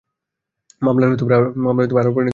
মামলার আরও পরিণতি হয়েছিল।